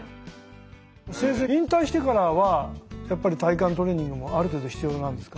先生引退してからはやっぱり体幹トレーニングもある程度必要なんですか？